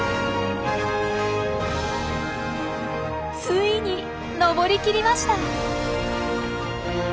ついに登りきりました！